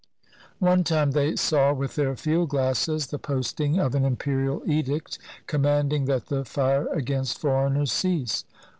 One time they saw with their field glasses the posting of an imperial edict commanding that the fire against foreigners cease.